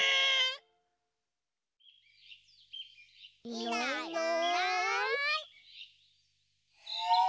いないいない。